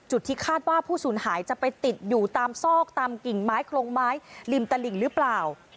ที่คาดว่าผู้สูญหายจะไปติดอยู่ตามซอกตามกิ่งไม้โครงไม้ริมตลิ่งหรือเปล่า